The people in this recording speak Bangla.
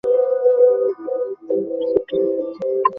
একটি সুস্থ নবজাতক জন্মের পরবর্তী মুহূর্ত থেকে স্তন্য পান করতে পারে।